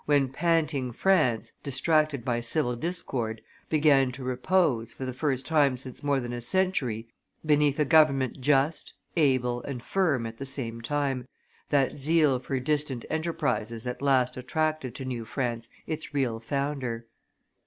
when panting France, distracted by civil discord, began to repose, for the first time since more than a century, beneath a government just, able, and firm at the same time, that zeal for distant enterprises at last attracted to New France its real founder.